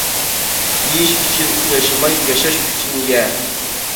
يېيىش ئۈچۈن ياشىماي، ياشاش ئۈچۈن يە.